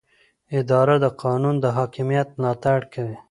اداره د قانون د حاکمیت ملاتړ کوي.